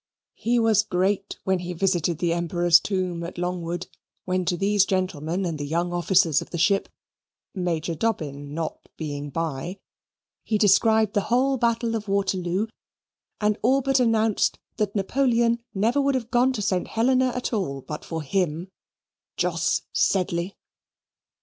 He was great when he visited the Emperor's tomb at Longwood, when to these gentlemen and the young officers of the ship, Major Dobbin not being by, he described the whole battle of Waterloo and all but announced that Napoleon never would have gone to Saint Helena at all but for him, Jos Sedley.